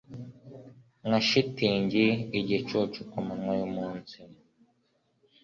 Nka shitingi igicucu kumanywa yumunsi